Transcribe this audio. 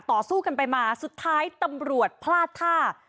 ต่อสู้กันไปมาสุดท้ายตำรวจพลาดท่า